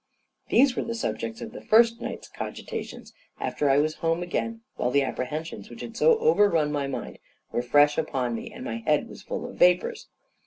These were the subjects of the first night's cogitations after I was come home again, while the apprehensions which had so overrun my mind were fresh upon me, and my head was full of vapors.